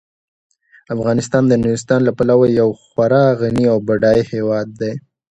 افغانستان د نورستان له پلوه یو خورا غني او بډایه هیواد دی.